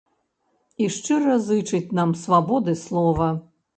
І шчыра зычаць нам свабоды слова.